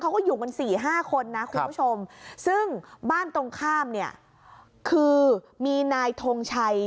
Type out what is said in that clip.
เขาก็อยู่กันสี่ห้าคนนะคุณผู้ชมซึ่งบ้านตรงข้ามเนี่ยคือมีนายทงชัย